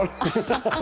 ハハハハ！